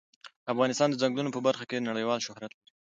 افغانستان د ځنګلونه په برخه کې نړیوال شهرت لري.